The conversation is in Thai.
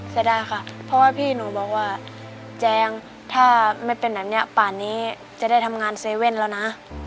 เสียดายค่ะเพราะว่าพี่หนูบอกว่าแจงถ้าไม่เป็นแบบนี้ป่านนี้จะได้ทำงาน๗๑๑แล้วนะ